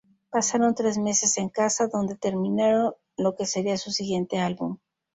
Pasaron tres meses en casa, donde terminaron lo que sería su siguiente álbum.